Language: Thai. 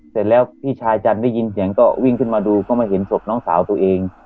เสร็จแล้วพี่ชายจันทร์ได้ยินเสียงก็วิ่งขึ้นมาดูก็มาเห็นศพน้องสาวตัวเอง